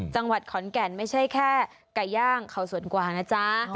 จังหวัดขอนแก่นไม่ใช่แค่ไก่ย่างเขาสวนกวางนะจ๊ะ